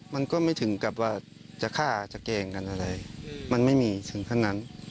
มันก็ไม่ถึงกับว่าจะฆ่าจะแกล้งกันอะไรมันไม่มีถึงขั้นนั้น